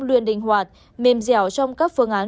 luôn định hoạt mềm dẻo trong các phương án